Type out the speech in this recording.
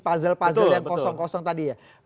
puzzle puzzle yang kosong kosong tadi ya betul betul